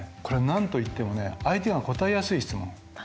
これは何といってもね相手が答えやすい質問。